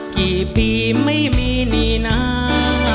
กี่ปีไม่มีนี่นา